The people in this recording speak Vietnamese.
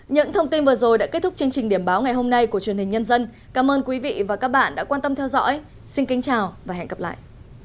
những thông tin vừa rồi đã kết thúc chương trình điểm báo ngày hôm nay của truyền hình nhân dân cảm ơn quý vị và các bạn đã quan tâm theo dõi xin kính chào và hẹn gặp lại